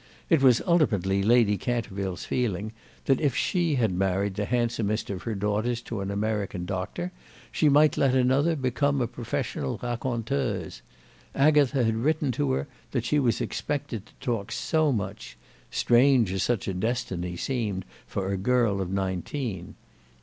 It was ultimately Lady Canterville's feeling that if she had married the handsomest of her daughters to an American doctor she might let another become a professional raconteuse—Agatha had written to her that she was expected to talk so much—strange as such a destiny seemed for a girl of nineteen.